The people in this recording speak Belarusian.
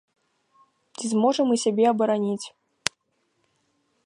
Ці зможам мы сябе абараніць?